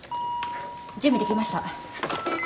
準備できました。